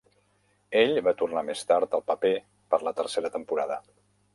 Ell va tornar més tard al paper per la tercera temporada.